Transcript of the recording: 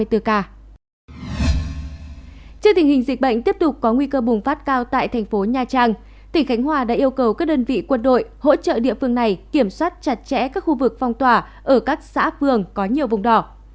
trước tình hình dịch bệnh tiếp tục có nguy cơ bùng phát cao tại tp nha trang tp hcm đã yêu cầu các đơn vị quân đội hỗ trợ địa phương này kiểm soát chặt chẽ các khu vực phong tỏa ở các xã phường có nhiều vùng đỏ